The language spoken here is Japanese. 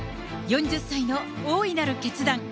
４０歳の大いなる決断。